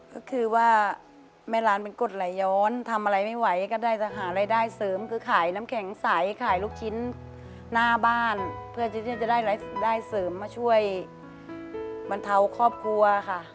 ก็คือว่าแม่ร้านเป็นกฎไหลย้อนทำอะไรไม่ไหวก็ได้จะหารายได้เสริมคือขายน้ำแข็งใสขายลูกชิ้นหน้าบ้านเพื่อที่จะได้รายได้เสริมมาช่วยบรรเทาครอบครัวค่ะ